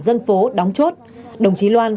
dân phố đóng chốt đồng chí loan